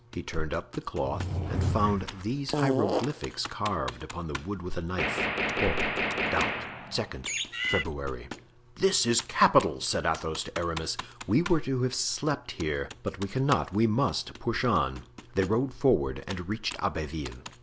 He turned up the cloth and found these hieroglyphics carved upon the wood with a knife: "Port.... D'Art.... 2d February." "This is capital!" said Athos to Aramis, "we were to have slept here, but we cannot—we must push on." They rode forward and reached Abbeville.